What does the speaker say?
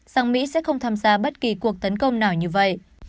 rằng mỹ sẽ không tham gia bất kỳ cuộc tấn công nào như vậy